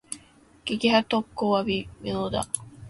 撃破特攻は微妙だ。